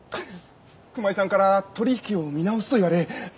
熊井さんから取り引きを見直すと言われつい。